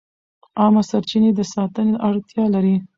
عامه سرچینې د ساتنې اړتیا لري.